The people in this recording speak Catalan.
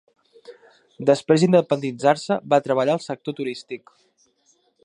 Després d"independitzar-se va treballar al sector turístic.